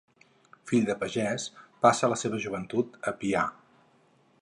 Fill de pagès, passà la seva joventut a Pià.